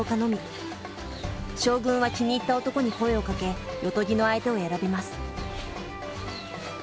将軍は気に入った男に声をかけ夜伽の相手を選びます。